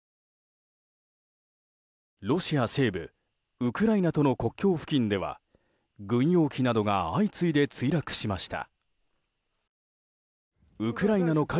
ロシア西部ウクライナとの国境付近では軍用機などが相次いで墜落しました。